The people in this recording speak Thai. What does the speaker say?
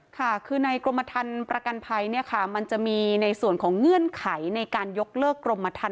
ค่ะคือในกรมทันประกันภัยเนี่ยค่ะมันจะมีในส่วนของเงื่อนไขในการยกเลิกกรมทัน